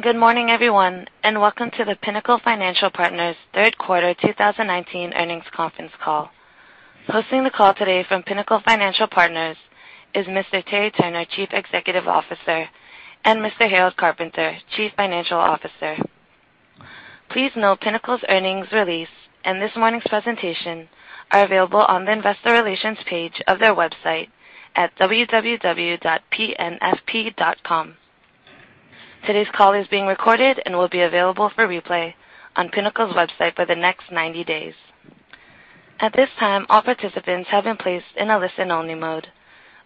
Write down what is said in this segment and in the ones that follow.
Good morning, everyone, and welcome to the Pinnacle Financial Partners third quarter 2019 earnings conference call. Hosting the call today from Pinnacle Financial Partners is Mr. Terry Turner, Chief Executive Officer, and Mr. Harold Carpenter, Chief Financial Officer. Please note Pinnacle's earnings release and this morning's presentation are available on the investor relations page of their website at www.pnfp.com. Today's call is being recorded and will be available for replay on Pinnacle's website for the next 90 days. At this time, all participants have been placed in a listen-only mode.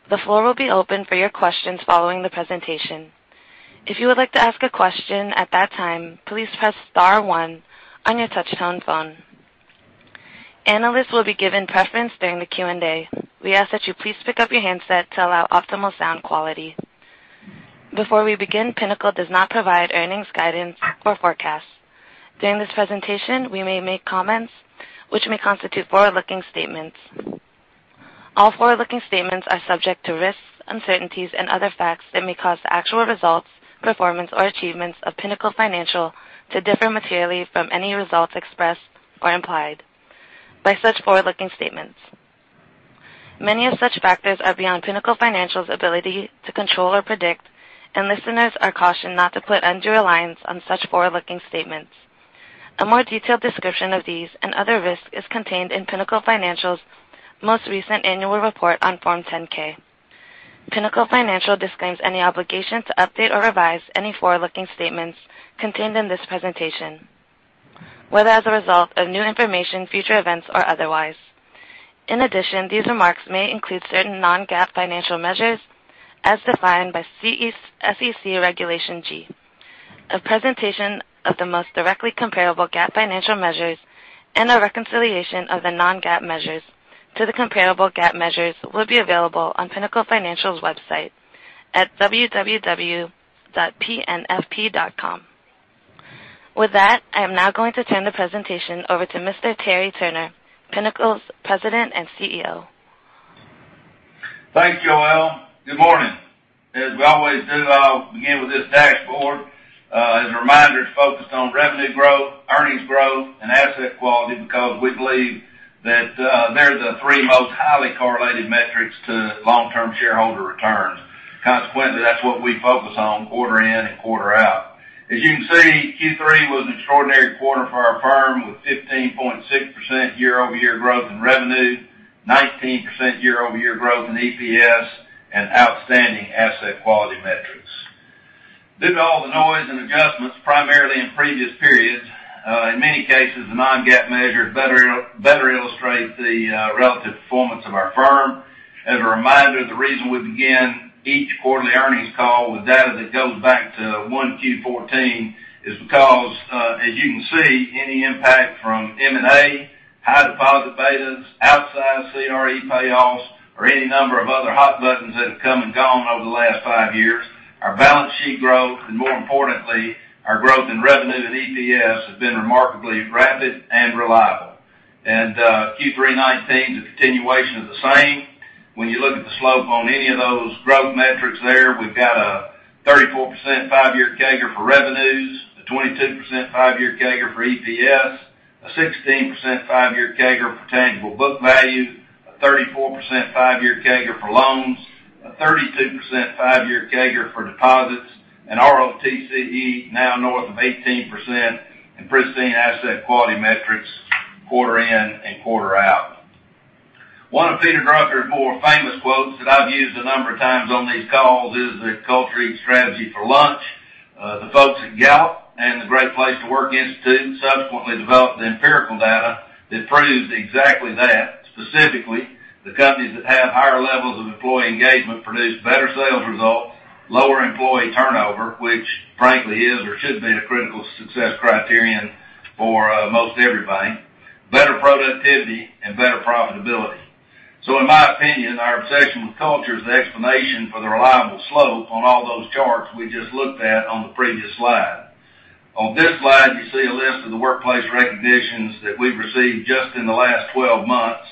The floor will be open for your questions following the presentation. If you would like to ask a question at that time, please press star one on your touch-tone phone. Analysts will be given preference during the Q&A. We ask that you please pick up your handset to allow optimal sound quality. Before we begin, Pinnacle does not provide earnings guidance or forecasts. During this presentation, we may make comments which may constitute forward-looking statements. All forward-looking statements are subject to risks, uncertainties, and other facts that may cause the actual results, performance, or achievements of Pinnacle Financial to differ materially from any results expressed or implied by such forward-looking statements. Many of such factors are beyond Pinnacle Financial's ability to control or predict, and listeners are cautioned not to put undue reliance on such forward-looking statements. A more detailed description of these and other risks is contained in Pinnacle Financial's most recent annual report on Form 10-K. Pinnacle Financial disclaims any obligation to update or revise any forward-looking statements contained in this presentation, whether as a result of new information, future events, or otherwise. In addition, these remarks may include certain non-GAAP financial measures as defined by SEC Regulation G. A presentation of the most directly comparable GAAP financial measures and a reconciliation of the non-GAAP measures to the comparable GAAP measures will be available on Pinnacle Financial's website at www.pnfp.com. With that, I am now going to turn the presentation over to Mr. Terry Turner, Pinnacle's President and CEO. Thanks, Joelle. Good morning. As we always do, I'll begin with this dashboard. As a reminder, it's focused on revenue growth, earnings growth, and asset quality because we believe that they're the three most highly correlated metrics to long-term shareholder returns. That's what we focus on quarter in and quarter out. As you can see, Q3 was an extraordinary quarter for our firm, with 15.6% year-over-year growth in revenue, 19% year-over-year growth in EPS, and outstanding asset quality metrics. Due to all the noise and adjustments, primarily in previous periods, in many cases, the non-GAAP measures better illustrate the relative performance of our firm. As a reminder, the reason we begin each quarterly earnings call with data that goes back to Q1 2014 is because, as you can see, any impact from M&A, high deposit betas, outsized CRE payoffs, or any number of other hot buttons that have come and gone over the last five years, our balance sheet growth, and more importantly, our growth in revenue to EPS, has been remarkably rapid and reliable. Q3 2019 is a continuation of the same. When you look at the slope on any of those growth metrics there, we've got a 34% five-year CAGR for revenues, a 22% five-year CAGR for EPS, a 16% five-year CAGR for tangible book value, a 34% five-year CAGR for loans, a 32% five-year CAGR for deposits, an ROTCE now north of 18%, and pristine asset quality metrics quarter in and quarter out. One of Peter Drucker's more famous quotes that I've used a number of times on these calls is that, "Culture eats strategy for lunch." The folks at Gallup and the Great Place to Work Institute subsequently developed the empirical data that proves exactly that. Specifically, the companies that have higher levels of employee engagement produce better sales results, lower employee turnover, which frankly is or should be the critical success criterion for most everything, better productivity, and better profitability. In my opinion, our obsession with culture is the explanation for the reliable slope on all those charts we just looked at on the previous slide. On this slide, you see a list of the workplace recognitions that we've received just in the last 12 months,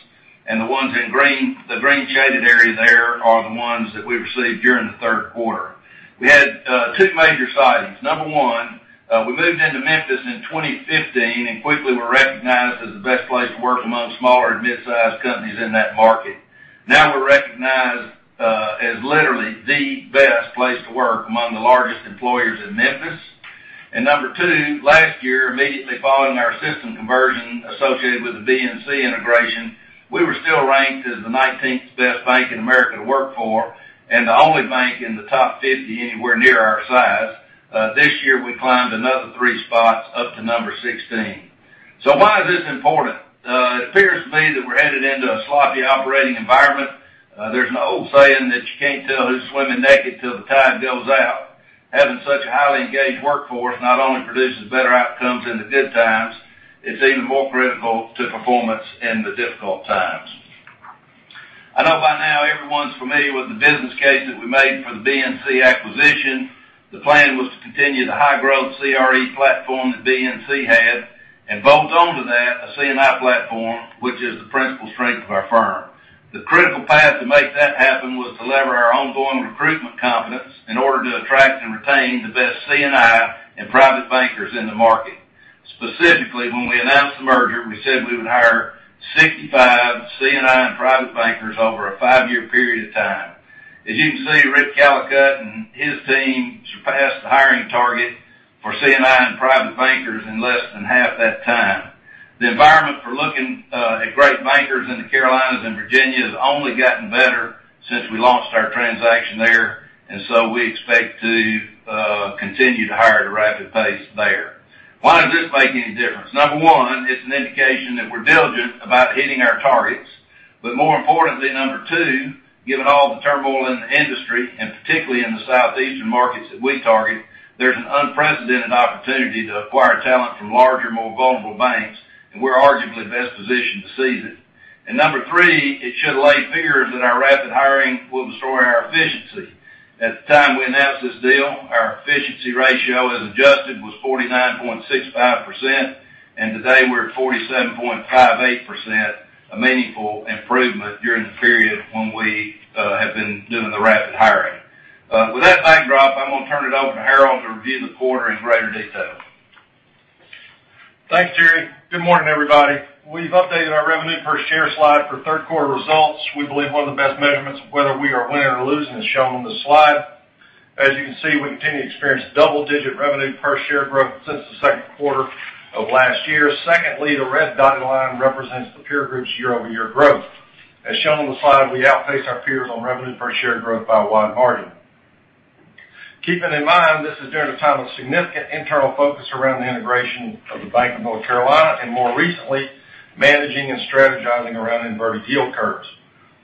and the ones in green, the green shaded area there, are the ones that we received during the third quarter. We had two major sightings. Number one, we moved into Memphis in 2015 and quickly were recognized as the best place to work among smaller and mid-sized companies in that market. Now we're recognized as literally the best place to work among the largest employers in Memphis. Number two, last year, immediately following our system conversion associated with the BNC integration, we were still ranked as the 19th best bank in America to work for and the only bank in the top 50 anywhere near our size. This year, we climbed another three spots up to number 16. Why is this important? It appears to me that we're headed into a sloppy operating environment. There's an old saying that you can't tell who's swimming naked till the tide goes out. Having such a highly engaged workforce not only produces better outcomes in the good times, it's even more critical to performance in the difficult times. I know by now everyone's familiar with the business case that we made for the BNC acquisition. The plan was to continue the high-growth CRE platform that BNC had and bolt on to that a C&I platform, which is the principal strength of our firm. The critical path to make that happen was to lever our ongoing recruitment competence in order to attract and retain the best C&I and private bankers in the market. Specifically, when we announced the merger, we said we would hire 65 C&I and private bankers over a five-year period of time. As you can see, Rick Callicutt and his team surpassed the hiring target for C&I and private bankers in less than half that time. The environment for looking at great bankers in the Carolinas and Virginia has only gotten better since we launched our transaction there, so we expect to continue to hire at a rapid pace there. Why does this make any difference? Number one, it's an indication that we're diligent about hitting our targets. More importantly, Number two, given all the turmoil in the industry, and particularly in the southeastern markets that we target, there's an unprecedented opportunity to acquire talent from larger, more vulnerable banks, and we're arguably best positioned to seize it. Number three, it should lay fears that our rapid hiring will destroy our efficiency. At the time we announced this deal, our efficiency ratio, as adjusted, was 49.65%, and today we're at 47.58%, a meaningful improvement during the period when we have been doing the rapid hiring. With that backdrop, I'm going to turn it over to Harold to review the quarter in greater detail. Thanks, Terry. Good morning, everybody. We've updated our revenue per share slide for third quarter results. We believe one of the best measurements of whether we are winning or losing is shown on this slide. As you can see, we continue to experience double-digit revenue per share growth since the second quarter of last year. Secondly, the red dotted line represents the peer group's year-over-year growth. As shown on the slide, we outpace our peers on revenue per share growth by a wide margin. Keeping in mind, this is during a time of significant internal focus around the integration of the Bank of North Carolina, and more recently, managing and strategizing around inverted yield curves.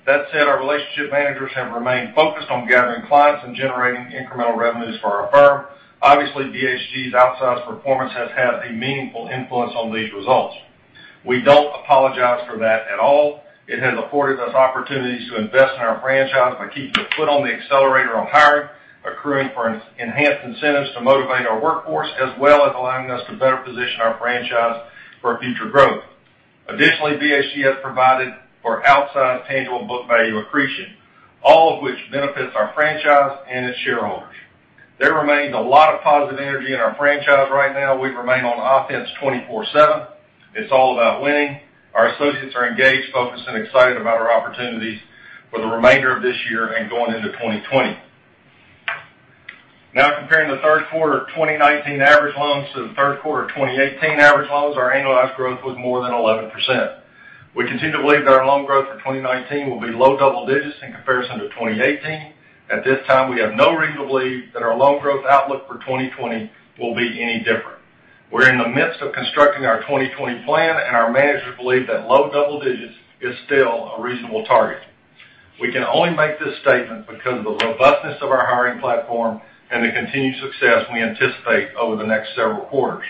That said, our relationship managers have remained focused on gathering clients and generating incremental revenues for our firm. Obviously, BHG's outsized performance has had a meaningful influence on these results. We don't apologize for that at all. It has afforded us opportunities to invest in our franchise by keeping the foot on the accelerator on hiring, accruing for enhanced incentives to motivate our workforce, as well as allowing us to better position our franchise for future growth. Additionally, BHG has provided for outsized tangible book value accretion, all of which benefits our franchise and its shareholders. There remains a lot of positive energy in our franchise right now. We remain on offense 24 seven. It's all about winning. Our associates are engaged, focused, and excited about our opportunities for the remainder of this year and going into 2020. Now comparing the third quarter of 2019 average loans to the third quarter of 2018 average loans, our annualized growth was more than 11%. We continue to believe that our loan growth for 2019 will be low double digits in comparison to 2018. At this time, we have no reason to believe that our loan growth outlook for 2020 will be any different. We're in the midst of constructing our 2020 plan, and our managers believe that low double digits is still a reasonable target. We can only make this statement because of the robustness of our hiring platform and the continued success we anticipate over the next several quarters.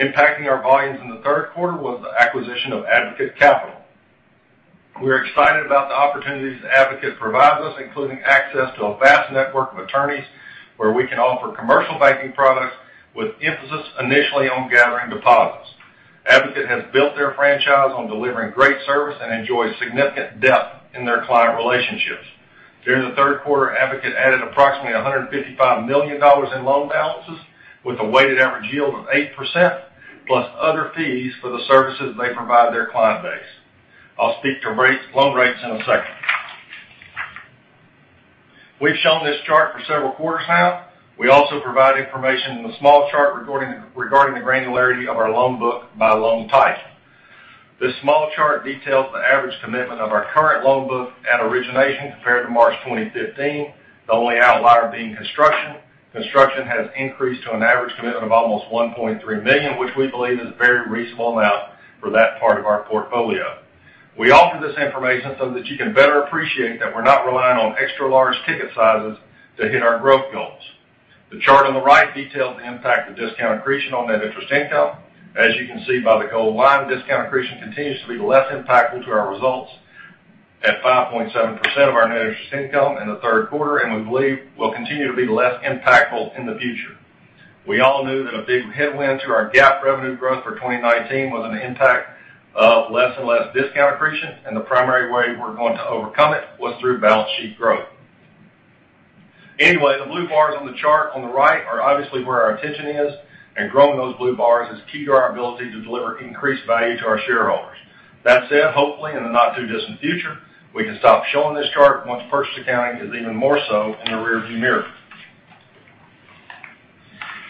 Impacting our volumes in the third quarter was the acquisition of Advocate Capital. We're excited about the opportunities Advocate provides us, including access to a vast network of attorneys where we can offer commercial banking products with emphasis initially on gathering deposits. Advocate has built their franchise on delivering great service and enjoys significant depth in their client relationships. During the third quarter, Advocate added approximately $155 million in loan balances with a weighted average yield of 8%, plus other fees for the services they provide their client base. I'll speak to loan rates in a second. We've shown this chart for several quarters now. We also provide information in the small chart regarding the granularity of our loan book by loan type. This small chart details the average commitment of our current loan book at origination compared to March 2015, the only outlier being construction. Construction has increased to an average commitment of almost $1.3 million, which we believe is a very reasonable amount for that part of our portfolio. We offer this information so that you can better appreciate that we're not relying on extra large ticket sizes to hit our growth goals. The chart on the right details the impact of discount accretion on net interest income. As you can see by the gold line, discount accretion continues to be less impactful to our results at 5.7% of our net interest income in the third quarter, and we believe will continue to be less impactful in the future. We all knew that a big headwind to our GAAP revenue growth for 2019 was an impact of less and less discount accretion, and the primary way we're going to overcome it was through balance sheet growth. The blue bars on the chart on the right are obviously where our attention is, and growing those blue bars is key to our ability to deliver increased value to our shareholders. That said, hopefully, in the not-too-distant future, we can stop showing this chart once purchase accounting is even more so in the rear-view mirror.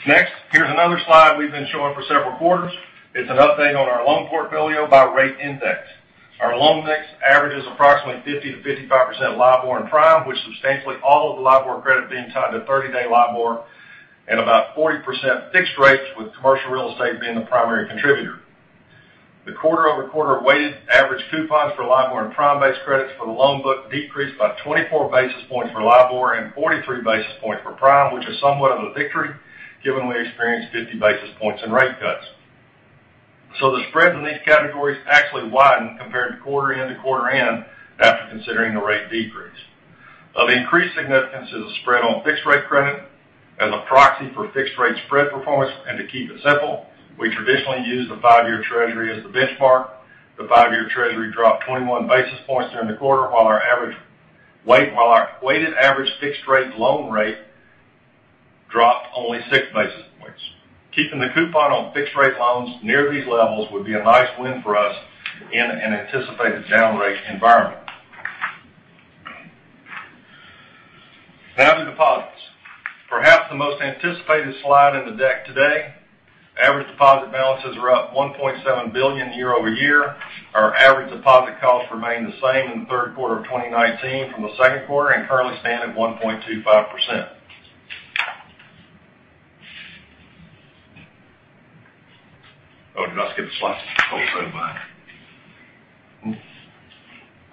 Here's another slide we've been showing for several quarters. It's an update on our loan portfolio by rate index. Our loan mix averages approximately 50%-55% LIBOR and prime, with substantially all of the LIBOR credit being tied to 30-day LIBOR and about 40% fixed rates, with commercial real estate being the primary contributor. The quarter-over-quarter weighted average coupons for LIBOR and prime-based credits for the loan book decreased by 24 basis points for LIBOR and 43 basis points for prime, which is somewhat of a victory given we experienced 50 basis points in rate cuts. The spreads in these categories actually widened compared to quarter end to quarter end after considering the rate decrease. Of increased significance is the spread on fixed rate credit as a proxy for fixed rate spread performance. To keep it simple, we traditionally use the five-year Treasury as the benchmark. The five-year Treasury dropped 21 basis points during the quarter, while our weighted average fixed rate loan rate dropped only six basis points. Keeping the coupon on fixed rate loans near these levels would be a nice win for us in an anticipated down rate environment. Now to deposits. Perhaps the most anticipated slide in the deck today. Average deposit balances are up $1.7 billion year-over-year. Our average deposit costs remain the same in the third quarter of 2019 from the second quarter, and currently stand at 1.25%. Oh, did I skip a slide? Wholesale bank.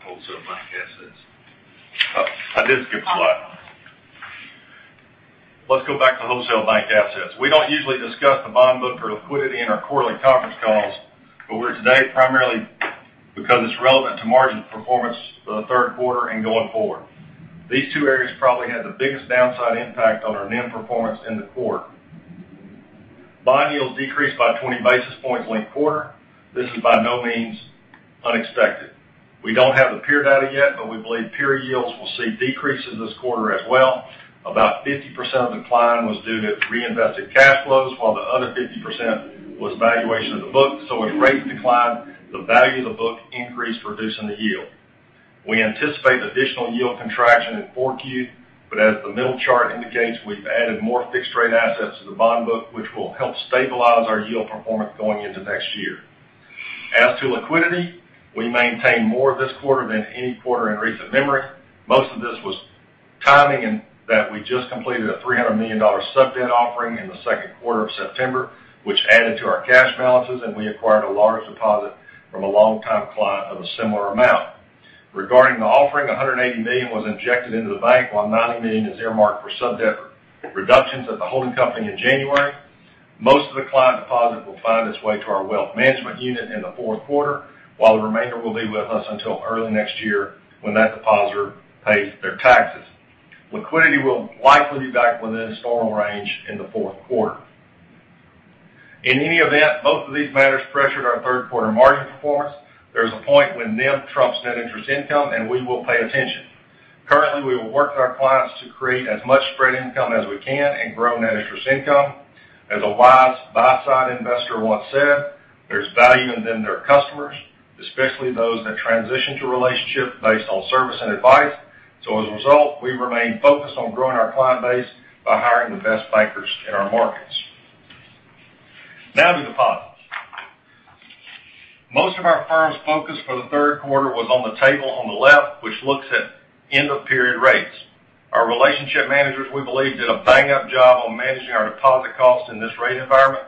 Wholesale bank assets. I did skip a slide. Let's go back to wholesale bank assets. We don't usually discuss the bond book for liquidity in our quarterly conference calls, we're here today primarily because it's relevant to margin performance for the third quarter and going forward. These two areas probably had the biggest downside impact on our NIM performance in the quarter. Bond yields decreased by 20 basis points link quarter. This is by no means unexpected. We don't have the peer data yet, we believe peer yields will see decreases this quarter as well. About 50% of the decline was due to reinvested cash flows, while the other 50% was valuation of the book. As rates declined, the value of the book increased, reducing the yield. We anticipate additional yield contraction in 4Q, but as the middle chart indicates, we've added more fixed rate assets to the bond book, which will help stabilize our yield performance going into next year. As to liquidity, we maintain more this quarter than any quarter in recent memory. Most of this was timing in that we just completed a $300 million sub-debt offering in the second quarter of September, which added to our cash balances, and we acquired a large deposit from a long-time client of a similar amount. Regarding the offering, $180 million was injected into the bank, while $90 million is earmarked for sub-debt reductions at the holding company in January. Most of the client deposit will find its way to our wealth management unit in the fourth quarter, while the remainder will be with us until early next year when that depositor pays their taxes. Liquidity will likely be back within its normal range in the fourth quarter. In any event, both of these matters pressured our third quarter margin performance. There's a point when NIM trumps net interest income. We will pay attention. Currently, we will work with our clients to create as much spread income as we can and grow net interest income. As a wise buy-side investor once said, there's value in them that are customers, especially those that transition to a relationship based on service and advice. As a result, we remain focused on growing our client base by hiring the best bankers in our markets. Now to deposits. Most of our firm's focus for the third quarter was on the table on the left, which looks at end-of-period rates. Our relationship managers, we believe, did a bang-up job on managing our deposit costs in this rate environment.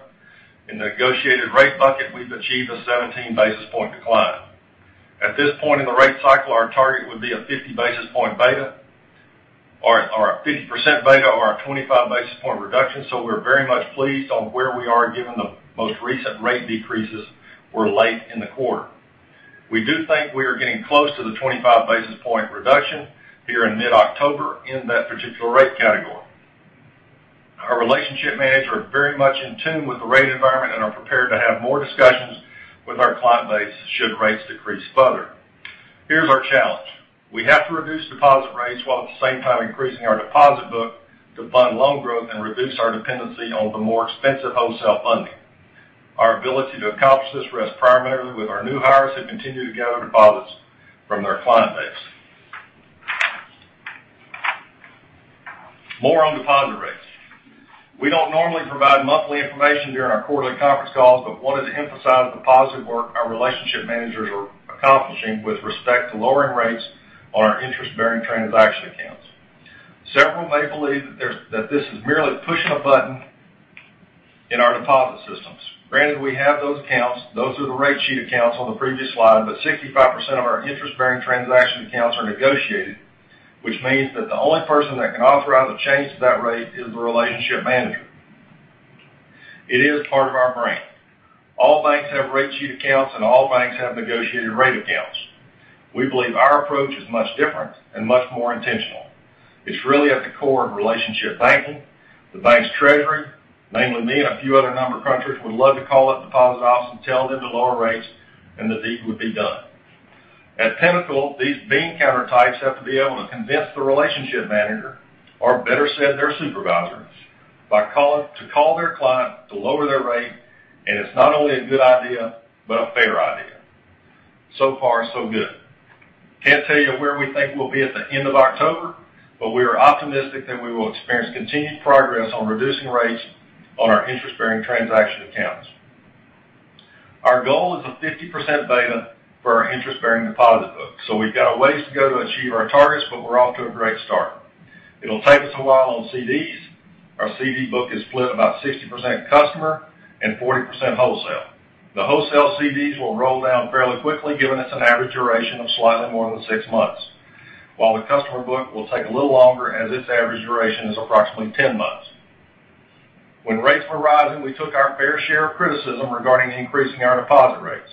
In the negotiated rate bucket, we've achieved a 17 basis point decline. At this point in the rate cycle, our target would be a 50 basis point beta or a 50% beta over our 25 basis point reduction, so we're very much pleased on where we are given the most recent rate decreases were late in the quarter. We do think we are getting close to the 25 basis point reduction here in mid-October in that particular rate category. Our relationship managers are very much in tune with the rate environment and are prepared to have more discussions with our client base should rates decrease further. Here's our challenge. We have to reduce deposit rates while at the same time increasing our deposit book to fund loan growth and reduce our dependency on the more expensive wholesale funding. Our ability to accomplish this rests primarily with our new hires who continue to gather deposits from their client base. More on deposit rates. We don't normally provide monthly information during our quarterly conference calls, but wanted to emphasize the positive work our relationship managers are accomplishing with respect to lowering rates on our interest-bearing transaction accounts. Several may believe that this is merely pushing a button in our deposit systems. Granted, we have those accounts, those are the rate sheet accounts on the previous slide, but 65% of our interest-bearing transaction accounts are negotiated, which means that the only person that can authorize a change to that rate is the relationship manager. It is part of our brand. All banks have rate sheet accounts, and all banks have negotiated rate accounts. We believe our approach is much different and much more intentional. It's really at the core of relationship banking. The bank's treasury, namely me and a few other number crunchers, would love to call up deposit ops and tell them to lower rates and the deed would be done. At Pinnacle, these bean counter types have to be able to convince the relationship manager, or better said, their supervisors, to call their client to lower their rate, and it's not only a good idea, but a fair idea. So far, so good. Can't tell you where we think we'll be at the end of October, but we are optimistic that we will experience continued progress on reducing rates on our interest-bearing transaction accounts. Our goal is a 50% beta for our interest-bearing deposit book. We've got a ways to go to achieve our targets, but we're off to a great start. It'll take us a while on CDs. Our CD book is split about 60% customer and 40% wholesale. The wholesale CDs will roll down fairly quickly given it's an average duration of slightly more than six months, while the customer book will take a little longer as its average duration is approximately 10 months. When rates were rising, we took our fair share of criticism regarding increasing our deposit rates.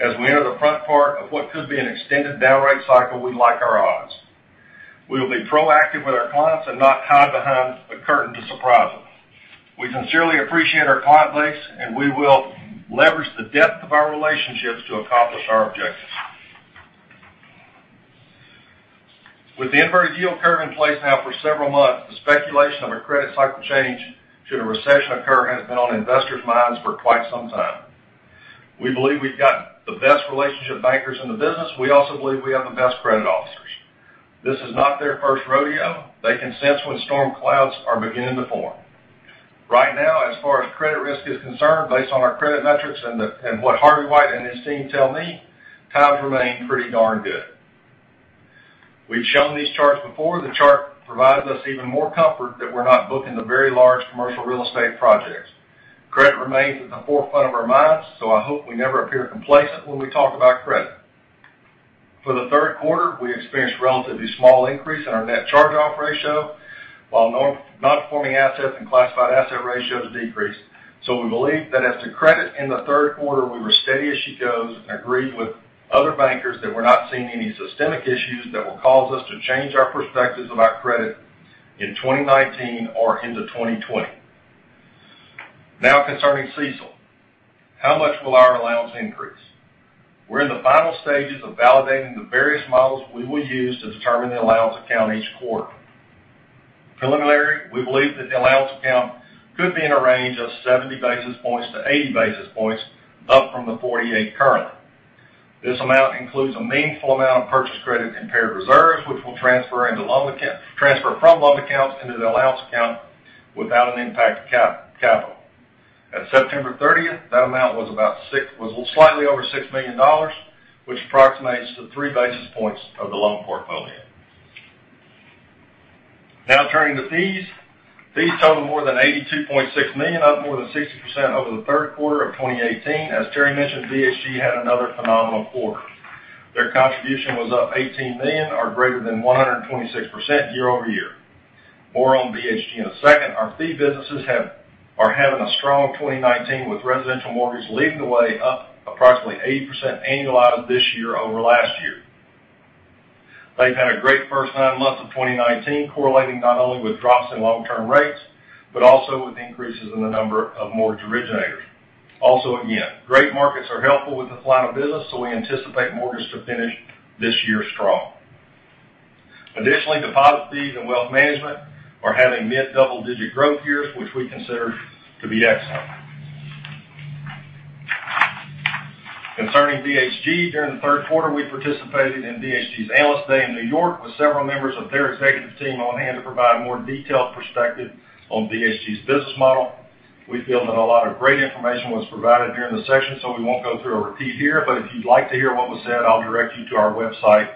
As we enter the front part of what could be an extended down rate cycle, we like our odds. We will be proactive with our clients and not hide behind the curtain to surprise them. We sincerely appreciate our client base, and we will leverage the depth of our relationships to accomplish our objectives. With the inverted yield curve in place now for several months, the speculation of a credit cycle change should a recession occur, has been on investors' minds for quite some time. We believe we've got the best relationship bankers in the business. We also believe we have the best credit officers. This is not their first rodeo. They can sense when storm clouds are beginning to form. Right now, as far as credit risk is concerned, based on our credit metrics and what Harvey White and his team tell me, times remain pretty darn good. We've shown these charts before. The chart provides us even more comfort that we're not booking the very large commercial real estate projects. Credit remains at the forefront of our minds, so I hope we never appear complacent when we talk about credit. For the third quarter, we experienced relatively small increase in our net charge-off ratio, while non-performing assets and classified asset ratios decreased. We believe that as to credit in the third quarter, we were steady as she goes, and agreed with other bankers that we're not seeing any systemic issues that will cause us to change our perspectives of our credit in 2019 or into 2020. Concerning CECL, how much will our allowance increase? We're in the final stages of validating the various models we will use to determine the allowance account each quarter. Preliminary, we believe that the allowance account could be in a range of 70 basis points to 80 basis points, up from the 48 currently. This amount includes a meaningful amount of purchase credit compared reserves, which will transfer from loan accounts into the allowance account without an impact to capital. At September 30th, that amount was slightly over $6 million, which approximates to three basis points of the loan portfolio. Turning to fees. Fees total more than $82.6 million, up more than 60% over the third quarter of 2018. As Terry mentioned, BHG had another phenomenal quarter. Their contribution was up $18 million or greater than 126% year-over-year. More on BHG in a second. Our fee businesses are having a strong 2019 with residential mortgage leading the way up approximately 80% annualized this year-over-last-year. They've had a great first nine months of 2019, correlating not only with drops in long-term rates, but also with increases in the number of mortgage originators. Also, again, great markets are helpful with the flow of business, so we anticipate mortgage to finish this year strong. Additionally, deposit fees and wealth management are having mid double-digit growth years, which we consider to be excellent. Concerning BHG, during the third quarter, we participated in BHG's Analyst Day in New York with several members of their executive team on hand to provide a more detailed perspective on BHG's business model. We won't go through a repeat here, but if you'd like to hear what was said, I'll direct you to our website,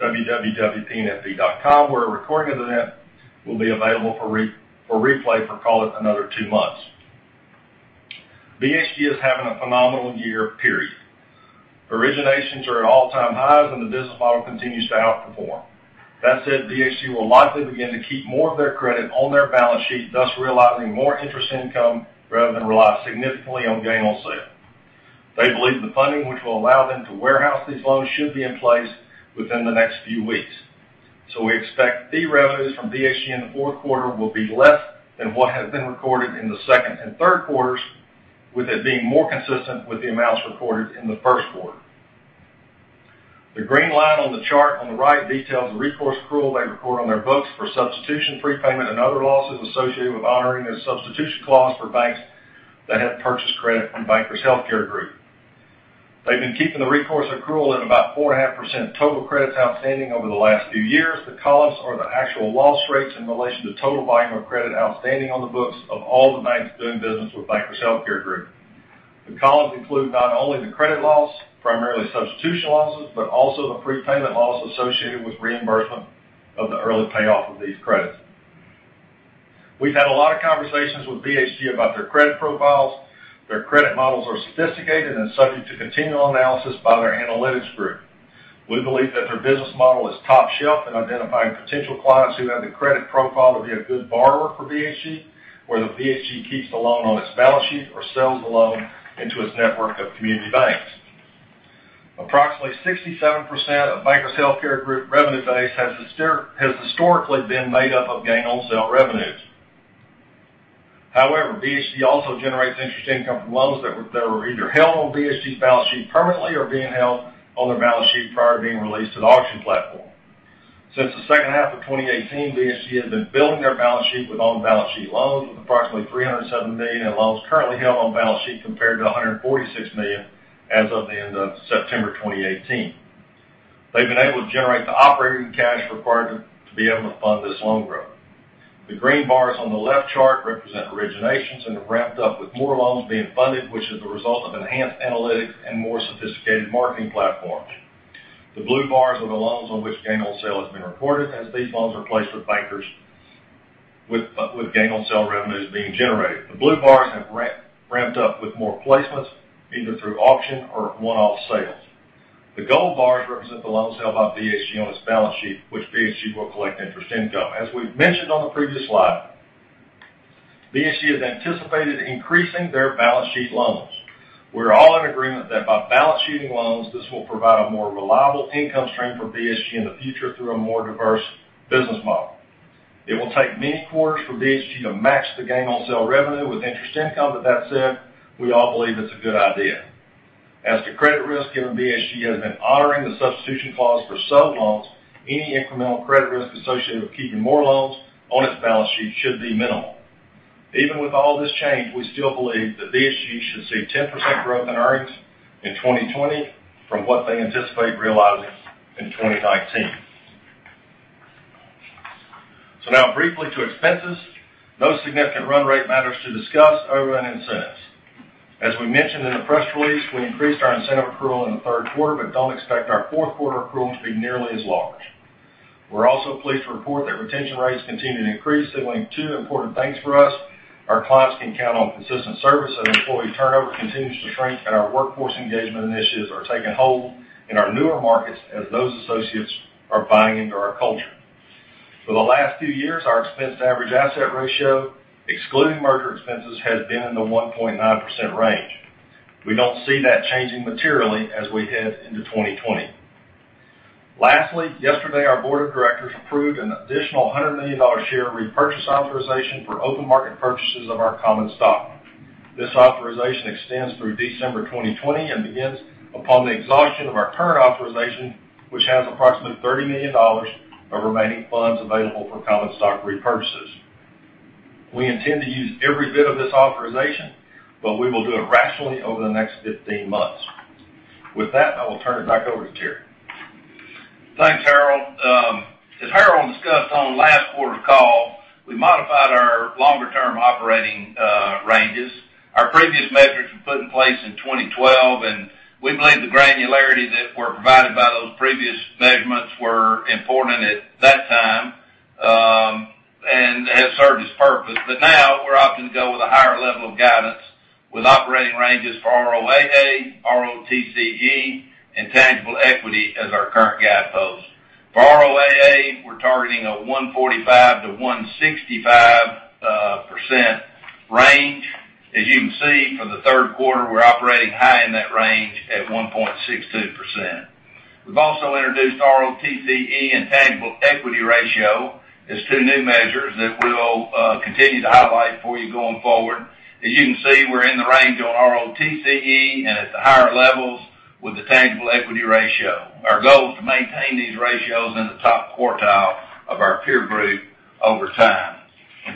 www.pnfp.com, where a recording of the event will be available for replay for, call it, another two months. BHG is having a phenomenal year, period. Originations are at all-time highs, and the business model continues to outperform. That said, BHG will likely begin to keep more of their credit on their balance sheet, thus realizing more interest income rather than rely significantly on gain on sale. They believe the funding which will allow them to warehouse these loans should be in place within the next few weeks. We expect fee revenues from BHG in the fourth quarter will be less than what has been recorded in the second and third quarters, with it being more consistent with the amounts recorded in the first quarter. The green line on the chart on the right details the recourse accrual they record on their books for substitution, prepayment, and other losses associated with honoring the substitution clause for banks that have purchased credit from Bankers Healthcare Group. They've been keeping the recourse accrual at about 4.5% of total credits outstanding over the last few years. The columns are the actual loss rates in relation to total volume of credit outstanding on the books of all the banks doing business with Bankers Healthcare Group. The columns include not only the credit loss, primarily substitution losses, but also the prepayment loss associated with reimbursement of the early payoff of these credits. We've had a lot of conversations with BHG about their credit profiles. Their credit models are sophisticated and subject to continual analysis by their analytics group. We believe that their business model is top shelf in identifying potential clients who have the credit profile to be a good borrower for BHG, whether BHG keeps the loan on its balance sheet or sells the loan into its network of community banks. Approximately 67% of Bankers Healthcare Group revenue base has historically been made up of gain on sale revenues. However, BHG also generates interest income from loans that were either held on BHG's balance sheet permanently or being held on their balance sheet prior to being released to the auction platform. Since the second half of 2018, BHG has been building their balance sheet with on-balance sheet loans, with approximately $307 million in loans currently held on balance sheet compared to $146 million as of the end of September 2018. They've been able to generate the operating cash required to be able to fund this loan growth. The green bars on the left chart represent originations and have ramped up with more loans being funded, which is the result of enhanced analytics and more sophisticated marketing platforms. The blue bars are the loans on which gain on sale has been recorded as these loans are placed with Bankers, with gain on sale revenues being generated. The blue bars have ramped up with more placements, either through auction or one-off sales. The gold bars represent the loans held by BHG on its balance sheet, which BHG will collect interest income. As we've mentioned on the previous slide, BHG has anticipated increasing their balance sheet loans. We're all in agreement that by balance sheeting loans, this will provide a more reliable income stream for BHG in the future through a more diverse business model. It will take many quarters for BHG to match the gain on sale revenue with interest income. That said, we all believe it's a good idea. As to credit risk, given BHG has been honoring the substitution clause for sold loans, any incremental credit risk associated with keeping more loans on its balance sheet should be minimal. Even with all this change, we still believe that BHG should see 10% growth in earnings in 2020 from what they anticipate realizing in 2019. Now briefly to expenses. No significant run rate matters to discuss other than incentives. As we mentioned in the press release, we increased our incentive accrual in the third quarter but don't expect our fourth quarter accrual to be nearly as large. We're also pleased to report that retention rates continue to increase, signaling two important things for us. Our clients can count on consistent service, and employee turnover continues to shrink, and our workforce engagement initiatives are taking hold in our newer markets as those associates are buying into our culture. For the last few years, our expense-to-average asset ratio, excluding merger expenses, has been in the 1.9% range. We don't see that changing materially as we head into 2020. Lastly, yesterday, our board of directors approved an additional $100 million share repurchase authorization for open market purchases of our common stock. This authorization extends through December 2020 and begins upon the exhaustion of our current authorization, which has approximately $30 million of remaining funds available for common stock repurchases. We intend to use every bit of this authorization, but we will do it rationally over the next 15 months. With that, I will turn it back over to Terry. Thanks, Harold. As Harold discussed on last quarter's call, we modified our longer-term operating ranges. Our previous metrics were put in place in 2012, and we believe the granularity that were provided by those previous measurements were important at that time, and have served its purpose. Now we're opting to go with a higher level of guidance with operating ranges for ROAA, ROTCE, and tangible equity as our current guideposts. For ROAA, we're targeting a 145%-165% range. As you can see, for the third quarter, we're operating high in that range at 1.62%. We've also introduced ROTCE and tangible equity ratio as two new measures that we'll continue to highlight for you going forward. As you can see, we're in the range on ROTCE and at the higher levels with the tangible equity ratio. Our goal is to maintain these ratios in the top quartile of our peer group over time.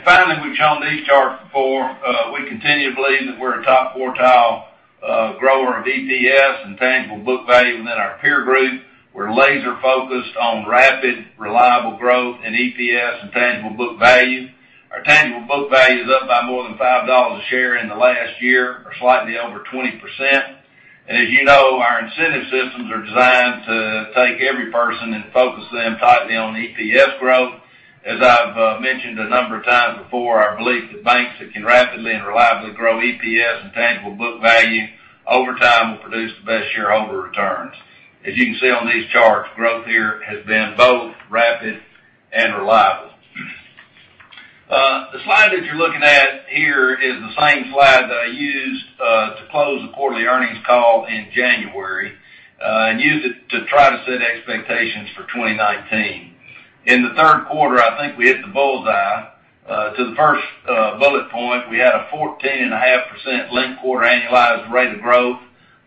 Finally, we've shown these charts before. We continue to believe that we're a top quartile grower of EPS and tangible book value within our peer group. We're laser focused on rapid, reliable growth in EPS and tangible book value. Our tangible book value is up by more than $5 a share in the last year, or slightly over 20%. As you know, our incentive systems are designed to take every person and focus them tightly on EPS growth. As I've mentioned a number of times before, our belief that banks that can rapidly and reliably grow EPS and tangible book value over time will produce the best shareholder returns. As you can see on these charts, growth here has been both rapid and reliable. The slide that you're looking at here is the same slide that I used to close the quarterly earnings call in January, and used it to try to set expectations for 2019. In the third quarter, I think we hit the bullseye. To the first bullet point, we had a 14.5% linked quarter annualized rate of growth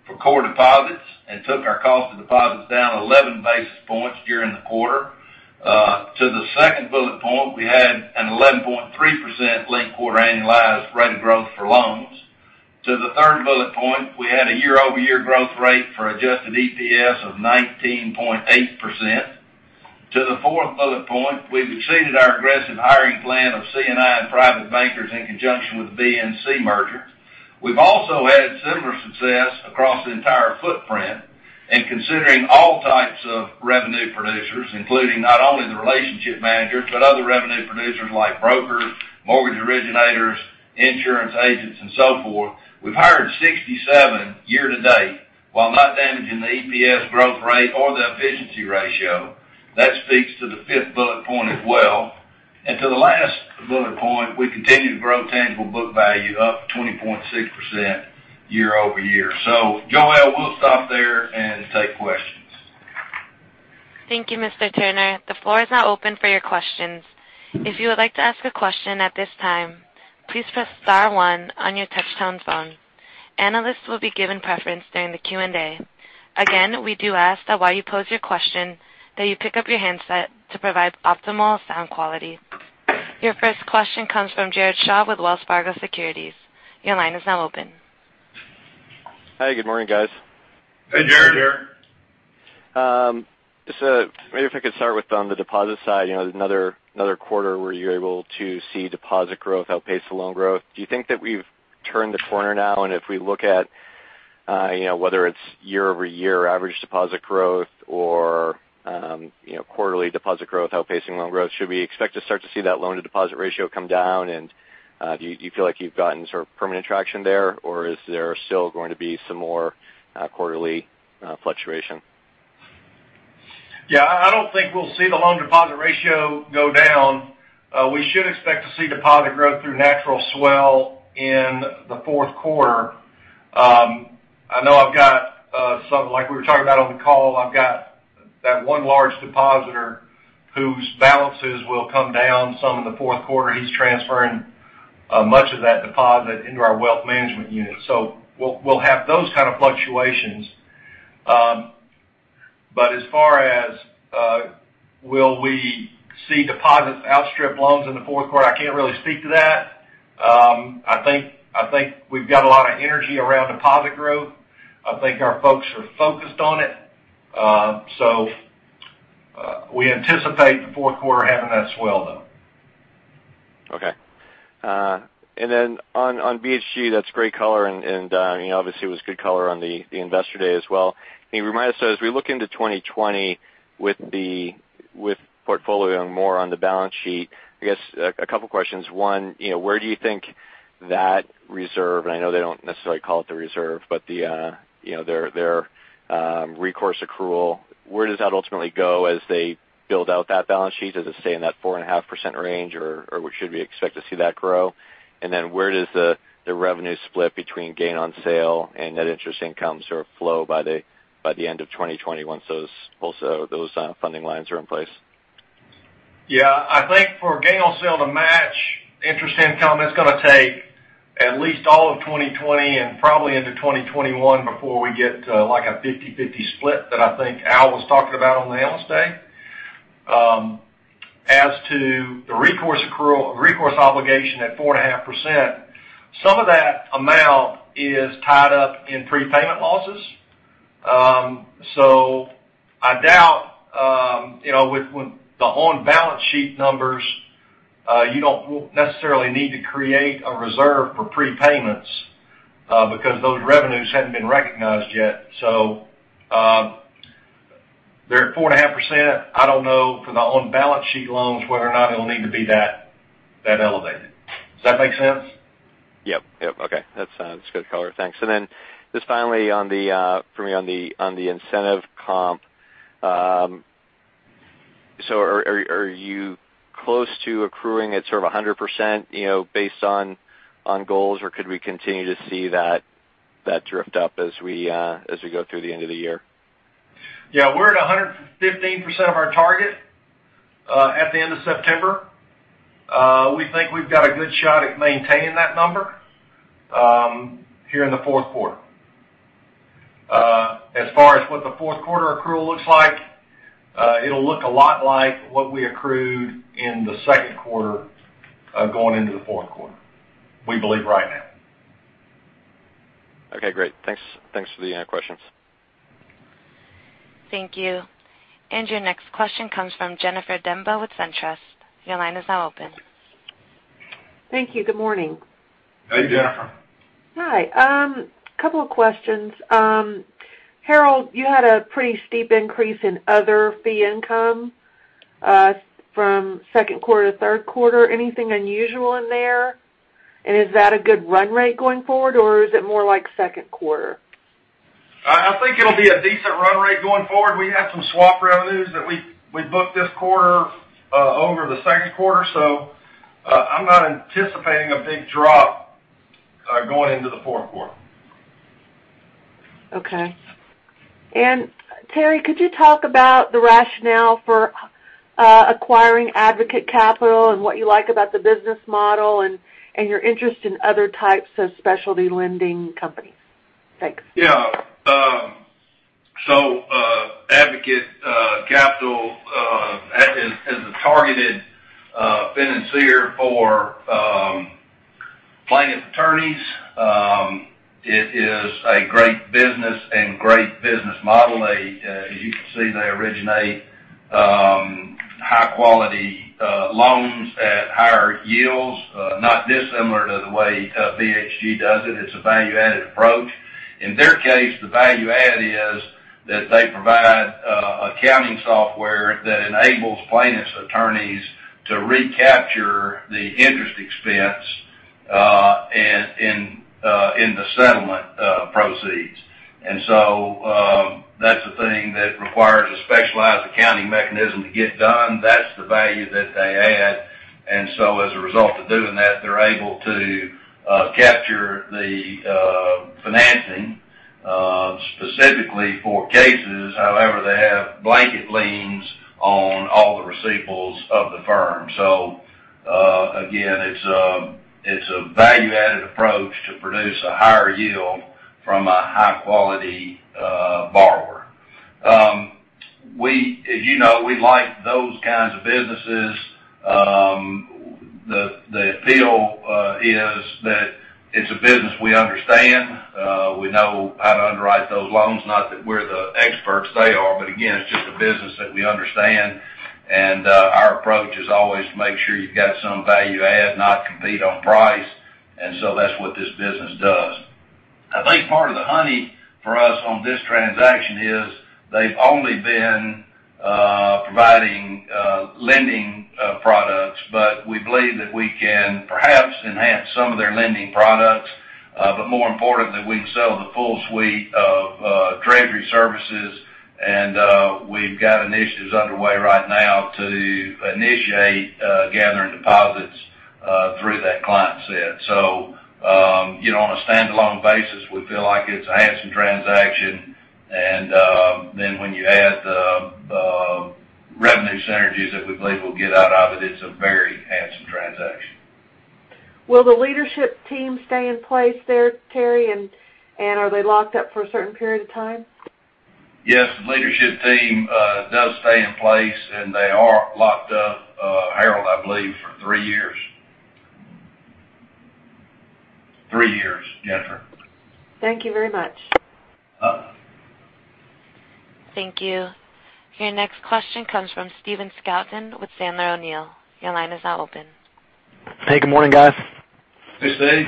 for core deposits and took our cost of deposits down 11 basis points during the quarter. To the second bullet point, we had an 11.3% linked quarter annualized rate of growth for loans. To the third bullet point, we had a year-over-year growth rate for adjusted EPS of 19.8%. To the fourth bullet point, we've exceeded our aggressive hiring plan of C&I and private bankers in conjunction with the BNC merger. We've also had similar success across the entire footprint in considering all types of revenue producers, including not only the relationship managers, but other revenue producers like brokers, mortgage originators, insurance agents, and so forth. We've hired 67 year-to-date, while not damaging the EPS growth rate or the efficiency ratio. That speaks to the fifth bullet point as well. To the last bullet point, we continue to grow tangible book value up 20.6% year-over-year. Joelle, we'll stop there and take questions. Thank you, Mr. Turner. The floor is now open for your questions. If you would like to ask a question at this time, please press star one on your touchtone phone. Analysts will be given preference during the Q&A. Again, we do ask that while you pose your question that you pick up your handset to provide optimal sound quality. Your first question comes from Jared Shaw with Wells Fargo Securities. Your line is now open. Hi, good morning, guys. Hey, Jared. Good morning. Just maybe if I could start with on the deposit side, another quarter where you're able to see deposit growth outpace the loan growth. Do you think that we've turned the corner now? If we look at whether it's year-over-year average deposit growth or quarterly deposit growth outpacing loan growth, should we expect to start to see that loan to deposit ratio come down? Do you feel like you've gotten sort of permanent traction there, or is there still going to be some more quarterly fluctuation? I don't think we'll see the loan deposit ratio go down. We should expect to see deposit growth through natural swell in the fourth quarter. I know I've got some, like we were talking about on the call, I've got that one large depositor whose balances will come down some in the fourth quarter. He's transferring much of that deposit into our wealth management unit. We'll have those kind of fluctuations. As far as, will we see deposits outstrip loans in the fourth quarter, I can't really speak to that. I think we've got a lot of energy around deposit growth. I think our folks are focused on it. We anticipate the fourth quarter having that swell, though. Okay. On BHG, that's great color and, obviously it was good color on the investor day as well. Can you remind us though, as we look into 2020 with portfolio more on the balance sheet, I guess a couple questions. One, where do you think that reserve, and I know they don't necessarily call it the reserve, but their recourse accrual, where does that ultimately go as they build out that balance sheet? Does it stay in that 4.5% range, or should we expect to see that grow? Where does the revenue split between gain on sale and net interest income sort of flow by the end of 2020 once those funding lines are in place? Yeah. I think for gain on sale to match interest income, it is going to take at least all of 2020 and probably into 2021 before we get to a 50/50 split that I think Al was talking about on the analyst day. As to the recourse obligation at 4.5%, some of that amount is tied up in prepayment losses. I doubt with the on-balance-sheet numbers, you do not necessarily need to create a reserve for prepayments, because those revenues have not been recognized yet. They are at 4.5%. I do not know for the on-balance-sheet loans whether or not it will need to be that elevated. Does that make sense? Yep. Okay. That's good color. Thanks. Just finally for me on the incentive comp, are you close to accruing at sort of 100% based on goals, or could we continue to see that drift up as we go through the end of the year? Yeah, we're at 115% of our target at the end of September. We think we've got a good shot at maintaining that number here in the fourth quarter. As far as what the fourth quarter accrual looks like, it'll look a lot like what we accrued in the second quarter, going into the fourth quarter, we believe right now. Okay, great. Thanks for the questions. Thank you. Your next question comes from Jennifer Demba with SunTrust. Your line is now open. Thank you. Good morning. Hey, Jennifer. Hi. Couple of questions. Harold, you had a pretty steep increase in other fee income from 2Q to 3Q. Anything unusual in there? Is that a good run rate going forward, or is it more like 2Q? I think it'll be a decent run rate going forward. We have some swap revenues that we booked this quarter over the second quarter, so, I'm not anticipating a big drop going into the fourth quarter. Okay. Terry, could you talk about the rationale for acquiring Advocate Capital and what you like about the business model and your interest in other types of specialty lending companies? Thanks. Yeah. Advocate Capital is a targeted financier for plaintiff attorneys. It is a great business and great business model. As you can see, they originate high quality loans at higher yields, not dissimilar to the way BHG does it. It's a value-added approach. In their case, the value add is that they provide accounting software that enables plaintiffs' attorneys to recapture the interest expense in the settlement proceeds. That's a thing that requires a specialized accounting mechanism to get done. That's the value that they add. As a result of doing that, they're able to capture the financing, specifically for cases. However, they have blanket liens on all the receivables of the firm. Again, it's a value-added approach to produce a higher yield from a high-quality borrower. As you know, we like those kinds of businesses. The feel is that it's a business we understand. We know how to underwrite those loans. Not that we're the experts, they are. Again, it's just a business that we understand. Our approach is always make sure you've got some value add, not compete on price. That's what this business does. I think part of the honey for us on this transaction is they've only been Lending products, we believe that we can perhaps enhance some of their lending products. More importantly, we can sell the full suite of treasury services, and we've got initiatives underway right now to initiate gathering deposits through that client set. On a standalone basis, we feel like it's a handsome transaction and then when you add the revenue synergies that we believe we'll get out of it's a very handsome transaction. Will the leadership team stay in place there, Terry, and are they locked up for a certain period of time? Yes, the leadership team does stay in place, and they are locked up, Harold, I believe for three years. Three years, Jennifer. Thank you very much. Thank you. Your next question comes from Stephen Scouten with Sandler O'Neill. Your line is now open. Hey, good morning, guys. Hey, Steve.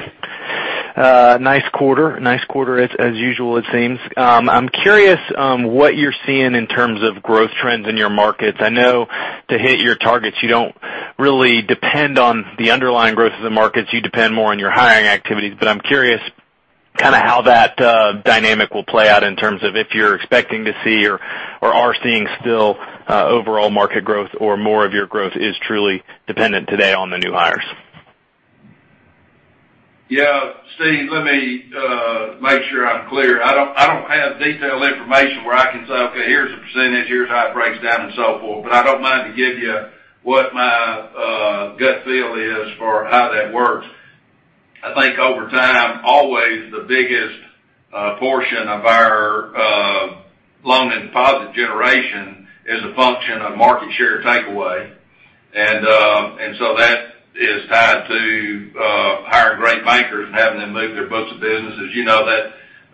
Nice quarter. Nice quarter as usual, it seems. I'm curious what you're seeing in terms of growth trends in your markets. I know to hit your targets, you don't really depend on the underlying growth of the markets. You depend more on your hiring activities. I'm curious how that dynamic will play out in terms of if you're expecting to see or are seeing still overall market growth, or more of your growth is truly dependent today on the new hires. Yeah, Steve, let me make sure I'm clear. I don't have detailed information where I can say, okay, here's the %, here's how it breaks down, and so forth. I don't mind to give you what my gut feel is for how that works. I think over time, always the biggest portion of our loan and deposit generation is a function of market share takeaway. That is tied to hiring great bankers and having them move their books of businesses.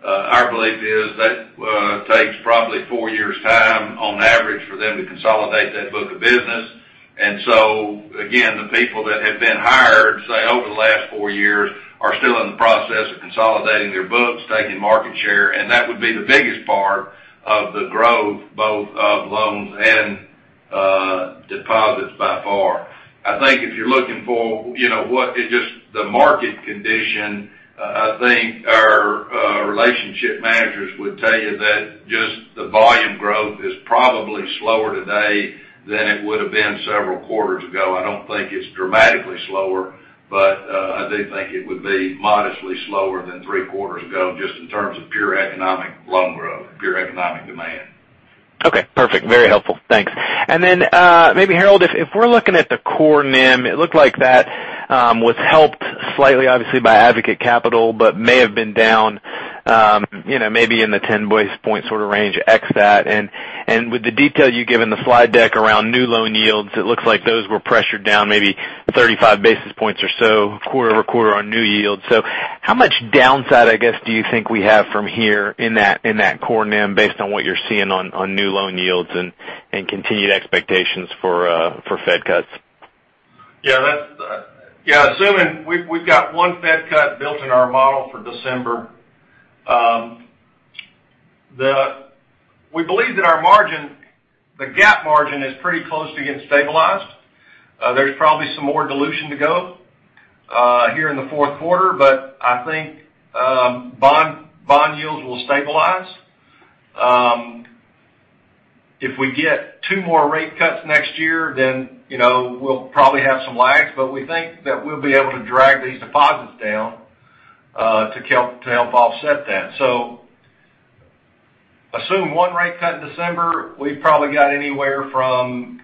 Our belief is that takes probably four years' time on average for them to consolidate that book of business. Again, the people that have been hired, say, over the last four years, are still in the process of consolidating their books, taking market share, and that would be the biggest part of the growth, both of loans and deposits by far. I think if you're looking for what is just the market condition, I think our relationship managers would tell you that just the volume growth is probably slower today than it would've been several quarters ago. I don't think it's dramatically slower, but I do think it would be modestly slower than three quarters ago, just in terms of pure economic loan growth, pure economic demand. Okay, perfect. Very helpful. Thanks. Maybe Harold, if we're looking at the core NIM, it looked like that was helped slightly, obviously by Advocate Capital, but may have been down, maybe in the 10-basis point sort of range, ex that, with the detail you give in the slide deck around new loan yields, it looks like those were pressured down maybe 35 basis points or so quarter-over-quarter on new yields. How much downside, I guess, do you think we have from here in that core NIM based on what you're seeing on new loan yields and continued expectations for Fed cuts? Yeah. Assuming we've got one Fed cut built in our model for December. We believe that our margin, the GAAP margin, is pretty close to getting stabilized. There's probably some more dilution to go here in the fourth quarter, but I think bond yields will stabilize. If we get two more rate cuts next year, then we'll probably have some lags, but we think that we'll be able to drag these deposits down, to help offset that. Assume one rate cut in December, we've probably got anywhere from,